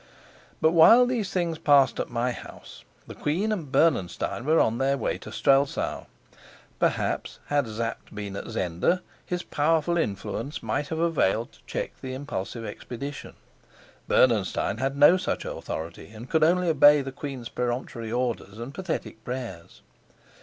But while these things passed at my house, the queen and Bernenstein were on their way to Strelsau. Perhaps, had Sapt been at Zenda, his powerful influence might have availed to check the impulsive expedition; Bernenstein had no such authority, and could only obey the queen's peremptory orders and pathetic prayers.